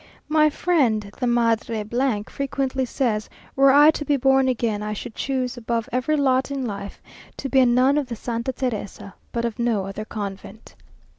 My friend the Madre frequently says "Were I to be born again, I should choose, above every lot in life, to be a nun of the Santa Teresa, but of no other convent."...